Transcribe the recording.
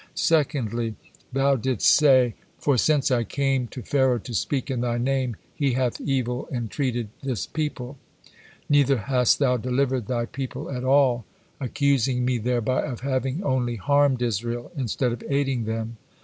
Secondly thou didst say, 'For since I came to Pharaoh to speak in Thy name, he hath evil entreated this people; neither hast Thou delivered Thy people at all,' accusing Me thereby of having only harmed Israel, instead of aiding them.